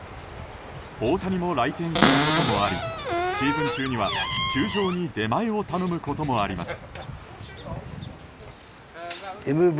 大谷も来店したこともありシーズン中には球場に出前を頼むこともあります。